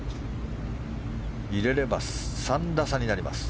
入れれば３打差になります。